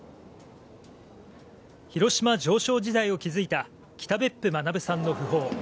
広島常勝時代を築いた北別府学さんの訃報。